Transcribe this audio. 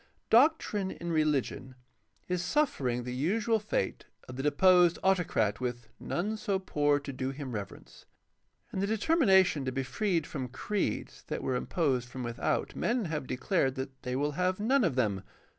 — Doctrine in religion is suffering the usual fate of the deposed autocrat with "none so poor to do him reverence." In the determination to be freed from creeds that were imposed from without men have declared that they will have none of them.